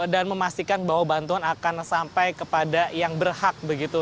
dan memastikan bahwa bantuan akan sampai kepada yang berhak begitu